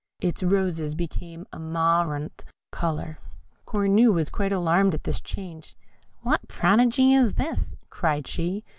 Its roses became amaranth colour. Cornue was quite alarmed at this change. "What prodigy is this?" cried she.